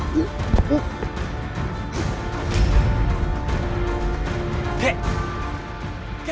kek ada apa ini kek